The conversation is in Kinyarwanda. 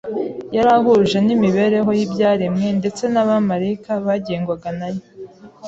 Yari ahuje n’imibereho y’ibyaremwe; ndetse n’abamarayika bagengwaga na yo.